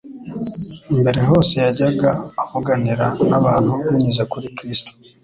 Mbere hose yajyaga avuganira n'abantu binyuze kuri Kristo,